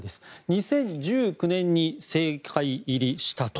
２０１９年に政界入りしたと。